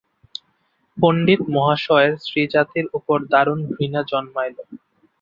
পণ্ডিতমহাশয়ের স্ত্রীজাতির উপর দারুণ ঘৃণা জন্মাইল।